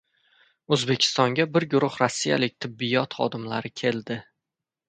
O‘zbekistonga bir guruh rossiyalik tibbiyot xodimlari keldi